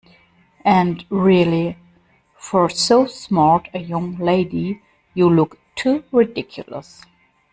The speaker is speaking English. And really, for so smart a young lady, you look too ridiculous.